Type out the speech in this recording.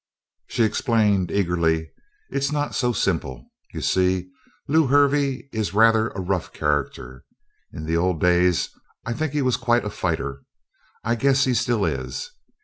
She explained eagerly: "It's not so simple. You see, Lew Hervey is rather a rough character. In the old days I think he was quite a fighter. I guess he still is.